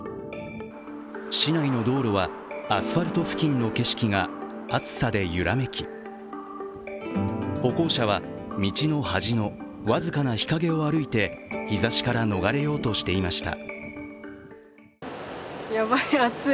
市内の道路はアスファルト付近の景色が暑さで揺らめき歩行者は道の端の僅かな日陰を歩いて日ざしから逃れようとしていました。